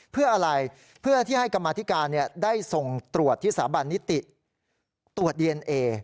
เพื่ออะไรเพื่อที่ให้กรรมธิการได้ส่งตรวจที่สถาบันนิติตรวจดีเอนเอ